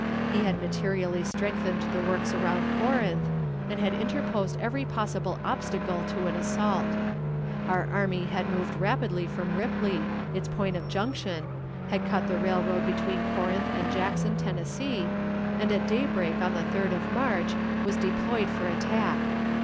He had materially strengthened the works around Corinth, and had interposed every possible obstacle to an assault. Our army had moved rapidly from Ripley, its point of junction, had cut the railroad between Corinth and Jackson, Tennessee, and at daybreak on the 3d of March was deployed for attack.